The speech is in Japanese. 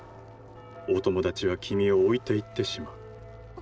お友達は君を置いていってしまう。